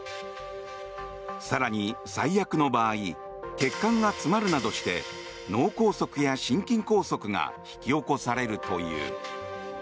更に、最悪の場合血管が詰まるなどして脳梗塞や心筋梗塞が引き起こされるという。